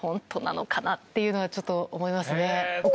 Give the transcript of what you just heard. っていうのはちょっと思いますね。